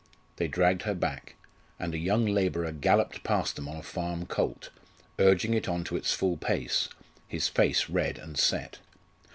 They dragged her back, and a young labourer galloped past them on a farm colt, urging it on to its full pace, his face red and set.